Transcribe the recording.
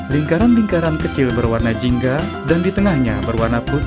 lingkaran lingkaran kecil berwarna jingga dan di tengahnya berbentuk ornamen tertentu